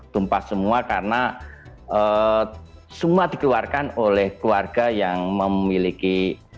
tumpah semua karena semua dikeluarkan oleh keluarga yang memiliki